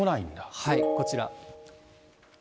こちら。